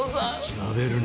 しゃべるな。